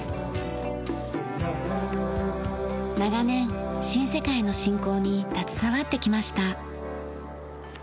長年新世界の振興に携わってきました。